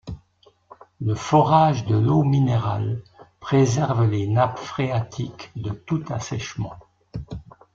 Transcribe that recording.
Le forage de l’eau minérale préserve les nappes phréatiques de tout assèchement.